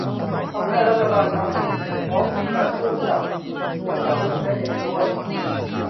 ต้องให้รัฐบาลท้องถิ่นมีงบและอำนาจสู้กับสิ่งเหล่านี้ได้เองด้วย